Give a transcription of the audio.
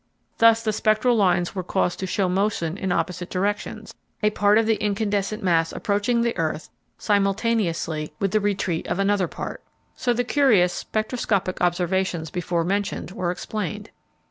Thus the spectral lines were caused to show motion in opposite directions, a part of the incandescent mass approaching the earth simultaneously with the retreat of another part. So the curious spectroscopic observations before mentioned were explained.